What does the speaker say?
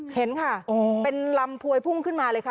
เห็นค่ะเป็นลำพวยพุ่งขึ้นมาเลยค่ะ